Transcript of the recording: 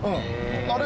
「あれ？